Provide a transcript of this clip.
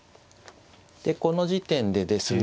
でこの時点でですね